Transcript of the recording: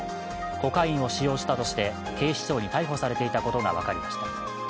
コカインを使用したとして警視庁に逮捕されていたことが分かりました。